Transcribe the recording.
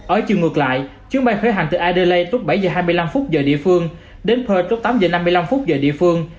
ở chiều ngược lại chuyến bay khởi hành từ adelaide lúc bảy giờ hai mươi năm phút giờ địa phương đến perth lúc tám giờ năm mươi năm phút giờ địa phương